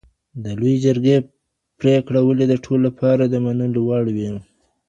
د لویې جرګي پريکړه ولي د ټولو لپاره د منلو وړ وي؟